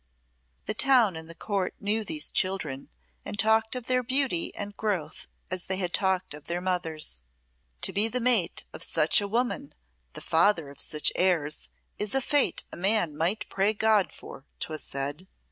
The town and the Court knew these children, and talked of their beauty and growth as they had talked of their mother's. "To be the mate of such a woman, the father of such heirs, is a fate a man might pray God for," 'twas said.